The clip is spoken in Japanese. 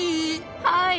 はい。